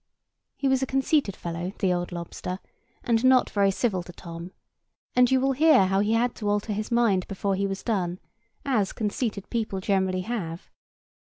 He was a conceited fellow, the old lobster, and not very civil to Tom; and you will hear how he had to alter his mind before he was done, as conceited people generally have.